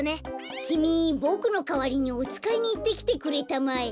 きみボクのかわりにおつかいにいってきてくれたまえ。